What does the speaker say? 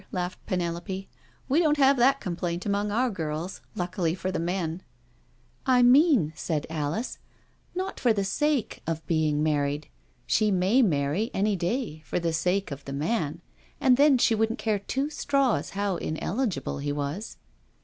'* laughed Penelope; "we don^ have that complaint among our girls, luckily for the men I '*" I mean," said Alice, " not for the sake of being married— she may marry any day for the sake of the man, and then she wouldn't care two straws how in eligible he was."